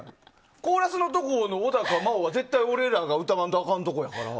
コーラスのところの小高茉緒は絶対俺らが歌わんとあかんところやから。